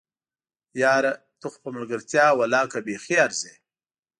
یاره! ته خو په ملګرتيا ولله که بیخي ارځې!